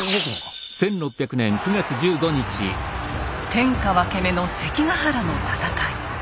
天下分け目の関ヶ原の戦い。